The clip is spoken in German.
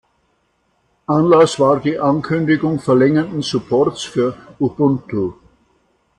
Anlass war die Ankündigung verlängerten Supports für Ubuntu.